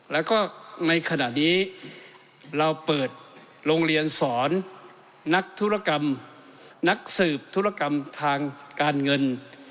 แล้วก็ในขณะนี้เราเปิดโรงเรียนสอนนักธุรกรรมนักสืบธุรกรรมทางการเงิน